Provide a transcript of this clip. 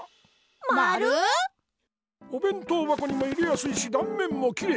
まる⁉おべん当ばこにも入れやすいしだんめんもきれい。